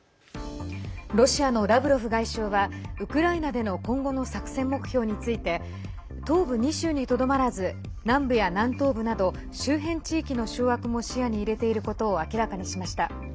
ロシアのラブロフ外相はウクライナでの今後の作戦目標について東部２州にとどまらず南部や南東部など周辺地域の掌握も視野に入れていることを明らかにしました。